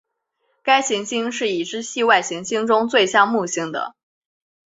该行星是已知系外行星中最像木星的。